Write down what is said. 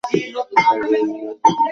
তার আর সেই পিছনে ফিরে তাকানোর দিন নাই!